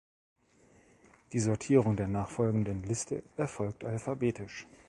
Die Sortierung der nachfolgenden Liste erfolgt alphabetisch.